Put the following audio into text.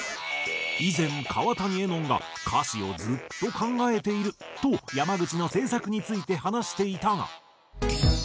以前川谷絵音が「歌詞をずっと考えている」と山口の制作について話していたが。